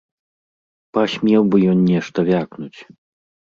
Пасмеў бы ён нешта вякнуць!